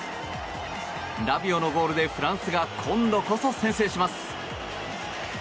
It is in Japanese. ラビオのゴールでフランスが今度こそ先制します。